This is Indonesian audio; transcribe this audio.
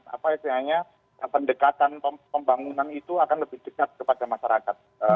apa istilahnya pendekatan pembangunan itu akan lebih dekat kepada masyarakat